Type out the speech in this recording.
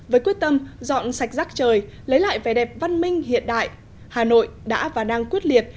với quyết tâm dọn sạch rác trời lấy lại vẻ đẹp văn minh hiện đại hà nội đã và đang quyết liệt